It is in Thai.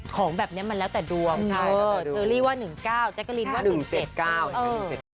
คนแบบนี้มันใช่แบบดวง